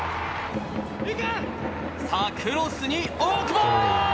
クロスに大久保！